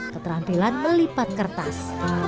keterampilan melipat kertas